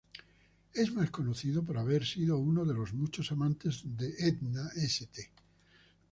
Es más conocido por haber sido uno de los muchos amantes de Edna St.